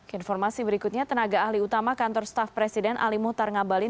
informasi berikutnya tenaga ahli utama kantor staff presiden ali muhtar ngabalin